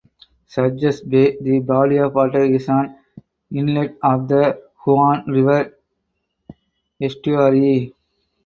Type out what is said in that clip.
Surges Bay (the body of water) is an inlet of the Huon River estuary.